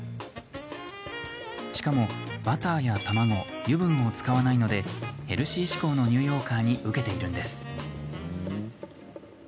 しかも、バターや卵油分を使わないのでヘルシー志向のニューヨーカーに受けているんです。